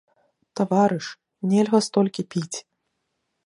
Таварыш, нельга столькі піць.